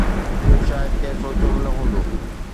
اهو شايد ڪنهن سوچيو به نه هوندو